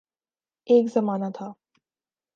ایک زمانہ تھا۔